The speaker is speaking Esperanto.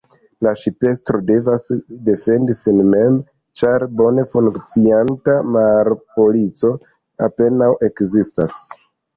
La ŝipestroj devas defendi sin mem, ĉar bone funkcianta marpolico apenaŭ ekzistas.